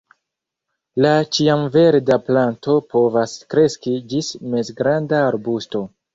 La ĉiamverda planto povas kreski ĝis mezgranda arbusto.